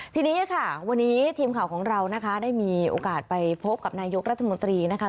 ทีนี้ค่ะวันนี้ทีมข่าวของเรานะคะได้มีโอกาสไปพบกับนายกรัฐมนตรีนะคะ